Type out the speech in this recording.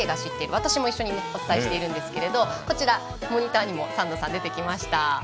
私も一緒にお伝えしているんですけれどもこちらモニターにもサンドさん出てきました。